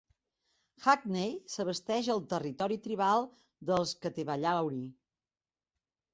Hackney s'abasteix al territori tribal dels Catevallauni.